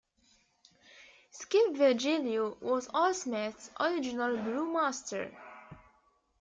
Skip Virgilio was AleSmith's original brewmaster.